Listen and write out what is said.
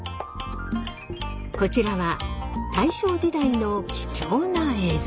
こちらは大正時代の貴重な映像。